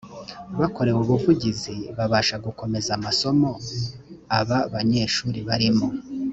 bakorewe ubuvugizi babasha gukomeza amasomo aba banyeshuri barimo